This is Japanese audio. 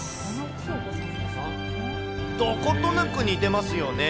どことなく似てますよね。